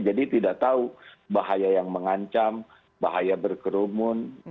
jadi tidak tahu bahaya yang mengancam bahaya berkerumun